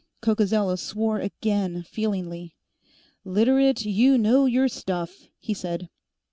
Coccozello swore again, feelingly. "Literate, you know your stuff!" he said.